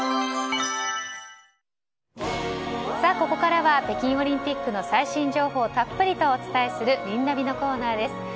ここからは北京オリンピックの最新情報をたっぷりとお伝えするリンナビ！のコーナーです。